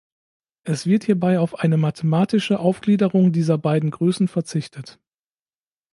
Es wird hierbei auf eine mathematische Aufgliederung dieser beiden Größen verzichtet.